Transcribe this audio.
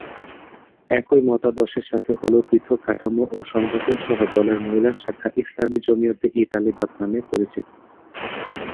একই মতাদর্শের সাথে হলেও পৃথক কাঠামো ও সংগঠন সহ দলের মহিলা শাখা "ইসলামী জমিয়তে-ই-তালিবাত" নামে পরিচিত।